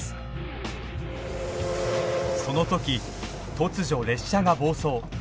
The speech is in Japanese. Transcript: その時突如列車が暴走。